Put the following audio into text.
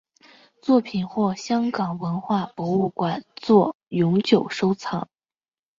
作品获香港文化博物馆作永久收藏。